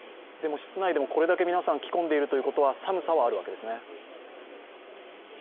でも室内でもこれだけ皆さん着込んでいるということは寒さはあるわけですね。